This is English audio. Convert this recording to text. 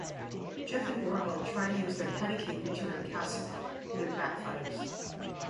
Jeff and Orville try to use their 'patty-cake' routine on Kasim, but it backfires.